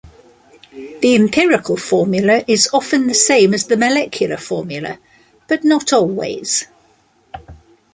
The empirical formula is often the same as the molecular formula but not always.